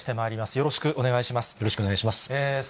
よろしくお願いします。